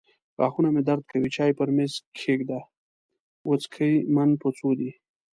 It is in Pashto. غاښونه مې درد کوي. چای پر مېز کښېږده. وڅکې من په څو دي.